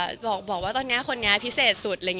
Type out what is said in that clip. เราก็บอกค่ะบอกว่าตอนนี้คนนี้พิเศษสุด